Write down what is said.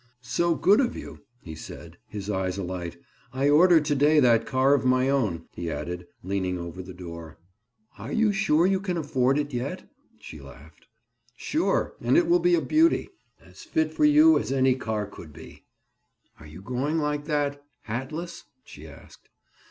"So good of you!" he said, his eyes alight. "I ordered to day that car of my own," he added, leaning over the door. "Are you sure you can afford it yet?" she laughed. "Sure. And it will be a beauty. As fit for you as any car could be!" "Are you going like that—hatless?" she asked.